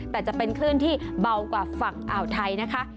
แต่จะเป็นคลื่นที่เบากว่าฝั่งอ่าวไทยนะคะ